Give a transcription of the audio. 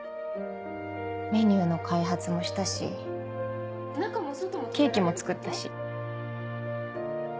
メニューの開発もしたしケーキも作ったし。